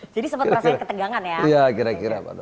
jadi sempat merasakan ketegangan ya